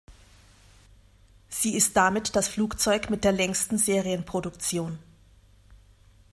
Sie ist damit das Flugzeug mit der längsten Serienproduktion.